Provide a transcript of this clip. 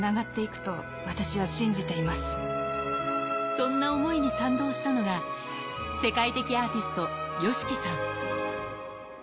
そんな思いに賛同したのが、世界的アーティスト・ＹＯＳＨＩＫＩさん。